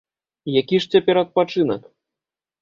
Які ж цяпер адпачынак?